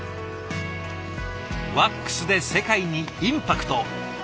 ワックスで世界にインパクトを。